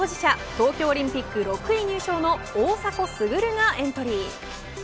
東京オリンピック６位入賞の大迫傑がエントリー。